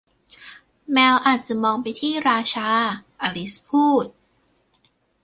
แมวอาจมองไปที่ราชา อลิซพูด